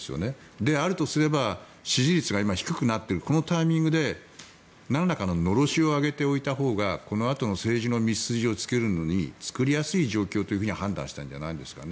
であるとすれば、支持率が今低くなっているこのタイミングでなんらかののろしを上げておいたほうがこのあとの政治の道筋をつけるのに作りやすいという状況と判断したんじゃないんですかね。